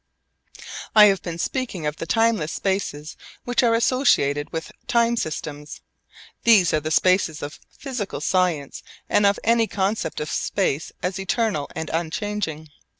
I have been speaking of the timeless spaces which are associated with time systems. These are the spaces of physical science and of any concept of space as eternal and unchanging.